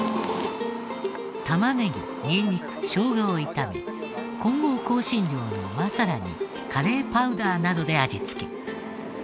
玉ねぎにんにく生姜を炒め混合香辛料のマサラにカレーパウダーなどで味付け。